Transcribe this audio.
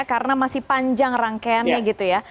karena masih panjang rangkaiannya gitu ya